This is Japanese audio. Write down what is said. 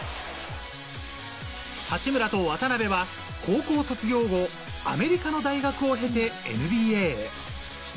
八村と渡邊は高校卒業後、アメリカの大学を経てＮＢＡへ。